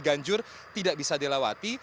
ganjur tidak bisa dilewati